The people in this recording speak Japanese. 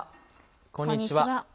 こんにちは。